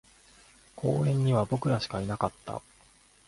公園には僕らしかいなかった